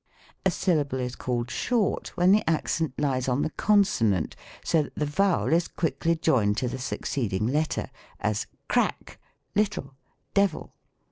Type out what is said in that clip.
A syllable is called short, when the accent lies on the consonant, so that the vowel is quickly joined to the succeeding letter: as "Crack, little, devil."